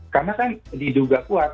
karena kan diduga kuat